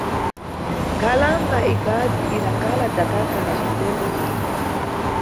Nkhalamba ikazi idakhala dzakaka na cisero mʼmanja.